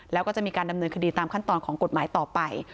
แล้วก็จะมีการดำเนินคดีตามขั้นตอนของกฎหมายต่อไป